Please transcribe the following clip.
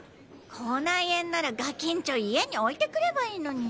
口内炎ならガキンチョ家においてくればいいのに。